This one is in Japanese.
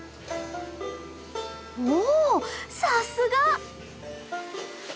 おさすが。